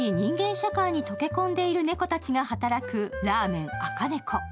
社会に溶け込んでいる猫たちが働くラーメン赤猫。